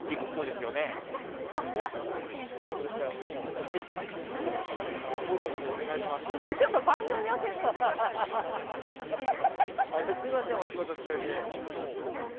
すみません、お仕事中に。